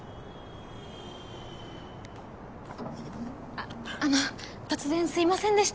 あっあの突然すいませんでした。